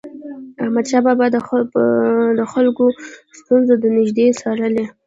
احمدشاه بابا به د خلکو ستونزې د نژدي څارلي.